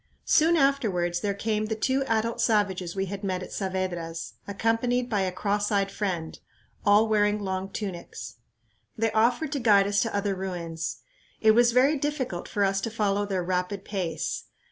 Soon afterwards there came the two adult savages we had met at Saavedra's, accompanied by a cross eyed friend, all wearing long tunics. They offered to guide us to other ruins. It was very difficult for us to follow their rapid pace.